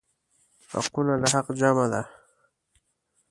حقونه د حق جمع ده.